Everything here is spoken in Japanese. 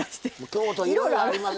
京都いろいろあります。